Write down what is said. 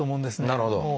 なるほど。